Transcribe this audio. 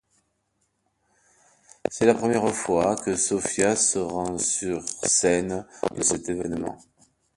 C'est la première fois que Sofia se rend sur scène lors de cet événement.